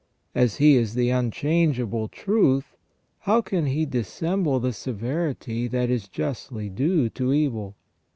As He is the unchangeable truth, how can He dissemble the severity that is justly due to evil